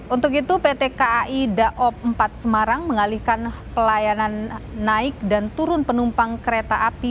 untuk itu pt kai daob empat semarang mengalihkan pelayanan naik dan turun penumpang kereta api